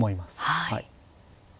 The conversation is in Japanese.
はい。